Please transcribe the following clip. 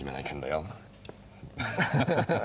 アハハハ。